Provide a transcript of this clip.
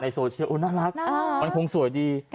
โซเชียลน่ารักมันคงสวยดี